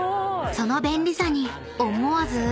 ［その便利さに思わず］